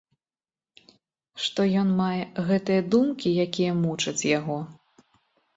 Што ён мае гэтыя думкі, якія мучаць яго?